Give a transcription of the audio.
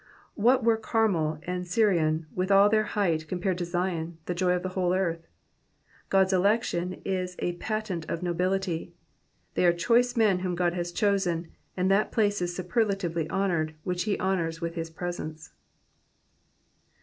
What were Carmel and Sirion, with all their height, compared to Zion, the joy of the whole earth 1 God's election is a patent of nobility. They are choice men whom God has chosen, and that place is superlatively honoured which he honours with his presence.